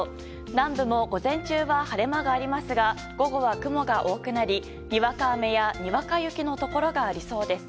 南部も午前中は晴れ間がありますが午後は雲が多くなり、にわか雨やにわか雪のところがありそうです。